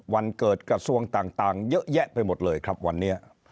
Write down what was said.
วันเกิดกระทรวงต่างเยอะแยะไปหมดเลยครับวันนี้